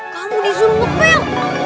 kamu disuruh nyuci baju